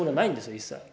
一切。